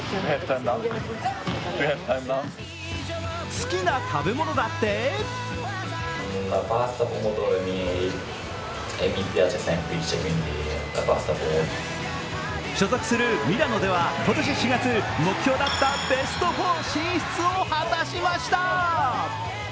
好きな食べ物だって所属するミラノでは今年４月目標だったベスト４進出を果たしました。